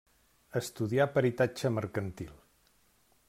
Estudià peritatge mercantil.